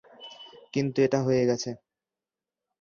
কিন্তু এটা হয়ে গেছে।